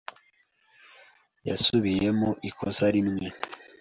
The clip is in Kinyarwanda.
Yasubiyemo ikosa rimwe.